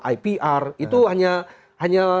ipr itu hanya